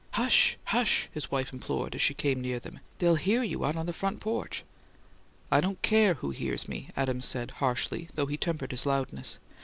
"Hush, hush!" his wife implored, as she came near them. "They'll hear you out on the front porch!" "I don't care who hears me," Adams said, harshly, though he tempered his loudness.